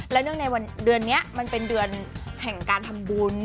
เนื่องในเดือนนี้มันเป็นเดือนแห่งการทำบุญ